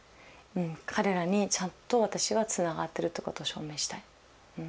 彼らにちゃんと私はつながってるってことを証明したい。